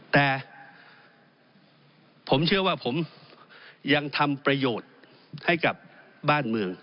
แต่ผมเชื่อว่าผมยังทำประโยชน์ให้กับบ้านเมือง